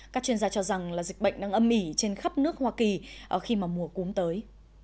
các chuyên gia cho rằng là dịch bệnh đang âm ỉ trên khắp nước hoa kỳ khi mà mùa cúm tới